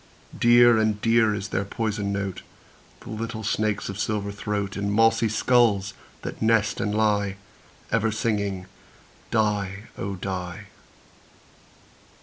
Dear and dear is their poisoned note, The little snakes' of silver throat, In mossy skulls that nest and lie, Ever singing "die, oh! die."